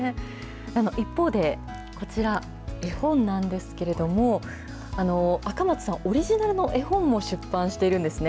一方で、こちら、絵本なんですけれども、赤松さん、オリジナルの絵本も出版しているんですね。